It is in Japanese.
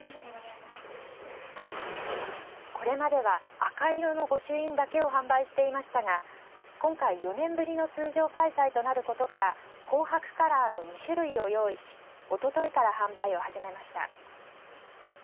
これまでは赤色の御朱印を販売していましたが今回４年ぶりの通常開催となることから紅白カラーの２種類を用意しおとといから販売を始めました。